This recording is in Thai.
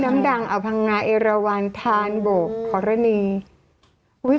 น้ำดังอพังงาเอราวันทานโบกขอรณีอุ้ย